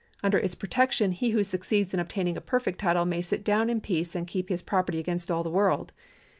Under its protection he who succeeds in obtaining a perfect title may sit down in peace and keep his property against all the world.